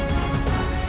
jalaat takut dop